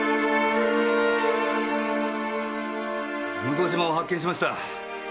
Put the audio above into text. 向島を発見しました。